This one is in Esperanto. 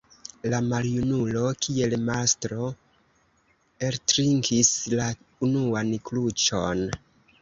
La maljunulo, kiel mastro, eltrinkis la unuan kruĉon.